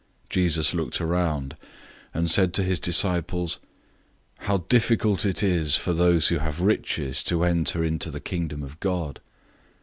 010:023 Jesus looked around, and said to his disciples, "How difficult it is for those who have riches to enter into the Kingdom of God!"